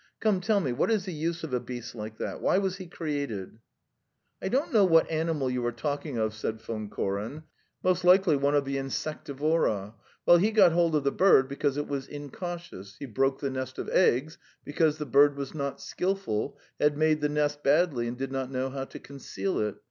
Come, tell me: what is the use of a beast like that? Why was he created?" "I don't know what animal you are talking of," said Von Koren; "most likely one of the insectivora. Well, he got hold of the bird because it was incautious; he broke the nest of eggs because the bird was not skilful, had made the nest badly and did not know how to conceal it.